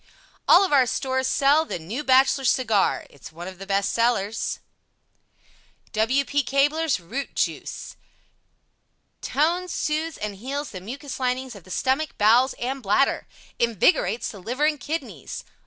All of our stores sell THE NEW BACHELOR CIGAR It's one of the best sellers W. P. Cabler's ROOT JUICE (Compound) TONES, SOOTHES and HEALS the Mucous Linings of the Stomach, Bowels and Bladder, INVIGORATES the Liver and Kidneys.